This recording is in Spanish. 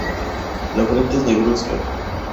La frente es negruzca.